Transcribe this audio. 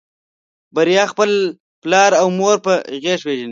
بريا خپل پلار او مور په غږ پېژني.